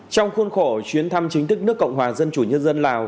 trong khuôn khổ chuyến thăm chính thức nước cộng hòa dân chủ nhân dân lào